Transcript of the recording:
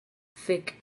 Fek'